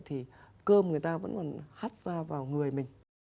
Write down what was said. thì cơm người ta vẫn còn hắt ra vào người mình